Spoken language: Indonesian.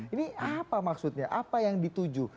ini apa maksudnya apa yang dituju